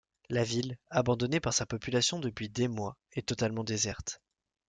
La ville, abandonnée par sa population depuis des mois, est totalement déserte.